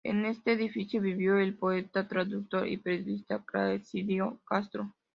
En este edificio vivió el poeta, traductor y periodista Plácido Castro.